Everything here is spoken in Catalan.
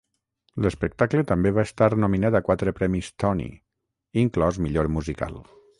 L'espectacle també va estar nominat a quatre premis Tony, inclòs Millor musical.